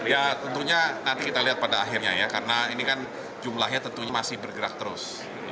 ya tentunya nanti kita lihat pada akhirnya ya karena ini kan jumlahnya tentunya masih bergerak terus